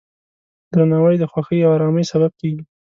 درناوی د خوښۍ او ارامۍ سبب کېږي.